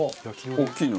大きいの。